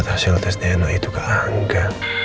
saya harus minta surat hasil tes dna itu ke angga